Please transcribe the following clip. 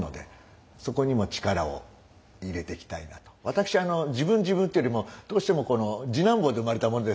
私あの「自分自分」ってよりもどうしてもこの次男坊で生まれたもんですからね